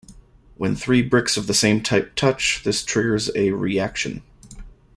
When three bricks of the same type touch, this triggers a "reaction".